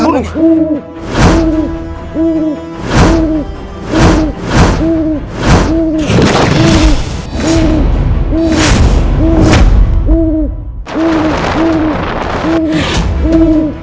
aduh kenapa banyak burung